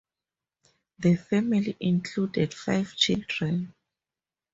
The family included five children.